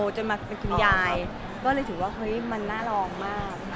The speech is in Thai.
จะมีในละครจะเห็นหรือเปล่ายค่ะ